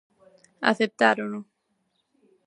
Aceptárono.